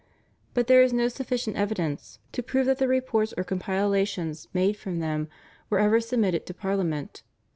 But there is no sufficient evidence to prove that the reports or compilations made from them were ever submitted to Parliament.